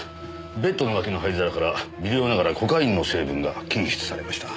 ベッドの脇の灰皿から微量ながらコカインの成分が検出されました。